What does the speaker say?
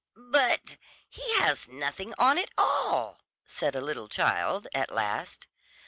"But he has nothing on at all," said a little child at last.